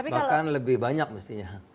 bahkan lebih banyak mestinya